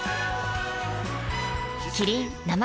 キリン「生茶」